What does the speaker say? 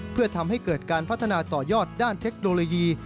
เพื่อทำให้เกิดการพัฒนาต่อยอดด้านเทคโนโลยี